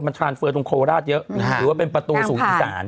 มันชาญเฟือตรงโคราชเยอะหรือว่าเป็นประตูสูงอีสาน